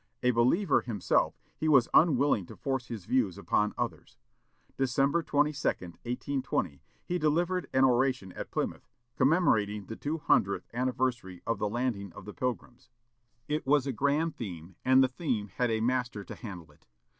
A believer himself, he was unwilling to force his views upon others. December 22, 1820, he delivered an oration at Plymouth, commemorating the two hundredth anniversary of the landing of the Pilgrims. It was a grand theme, and the theme had a master to handle it.